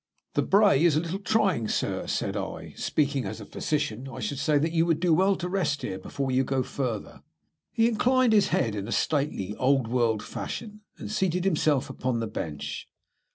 "The brae is a little trying, sir," said I. "Speaking as a physician, I should say that you would do well to rest here before you go further." He inclined his head in a stately, old world fashion, and seated himself upon the bench.